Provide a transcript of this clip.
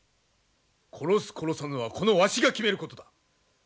殺す殺さぬはこのわしが決めることだ。